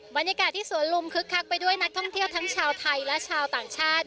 บรรยากาศที่สวนลุมคึกคักไปด้วยนักท่องเที่ยวทั้งชาวไทยและชาวต่างชาติ